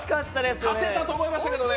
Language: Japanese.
勝てたと思いましたけどね。